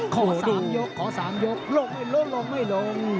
ขอ๓ยกขอ๓ยกลงไม่ลดลงไม่ลง